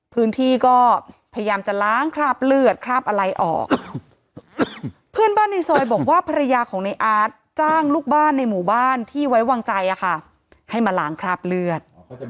พื้นที่ก็พยายามจะล้างคราบเลือดคราบอะไรออกเพื่อนบ้านในซอยบอกว่าภรรยาของในอาร์ตจ้างลูกบ้านในหมู่บ้านที่ไว้วางใจให้มาล้างคราบเลือด